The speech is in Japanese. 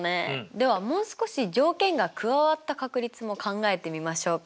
ではもう少し条件が加わった確率も考えてみましょうか？